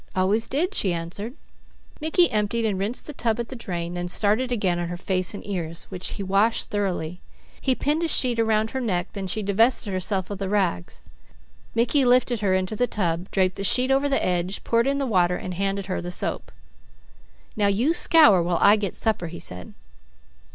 "Always did," she answered. Mickey emptied and rinsed the tub at the drain, then started again on her face and ears, which he washed thoroughly. He pinned a sheet around her neck, then she divested herself of the rags. Mickey lifted her into the tub, draped the sheet over the edge, poured in the water, and handed her the soap. "Now you scour, while I get supper," he said.